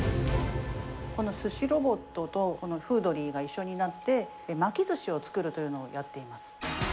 このすしロボットとこのフードリーが一緒になって、巻きずしを作るというのをやっています。